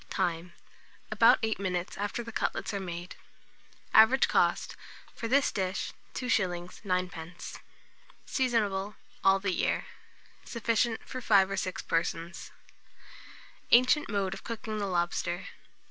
Time. About 8 minutes after the cutlets are made. Average cost for this dish, 2s. 9d. Seasonable all the year. Sufficient for 5 or 6 persons. ANCIENT MODE OF COOKING THE LOBSTER.